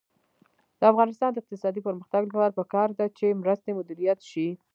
د افغانستان د اقتصادي پرمختګ لپاره پکار ده چې مرستې مدیریت شي.